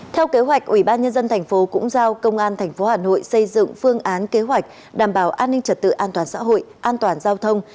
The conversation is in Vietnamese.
theo kế hoạch ủy ban nhân dân thành phố cũng giao công an tp hà nội xây dựng phương án kế hoạch đảm bảo an ninh trật tự an toàn xã hội an toàn giao thông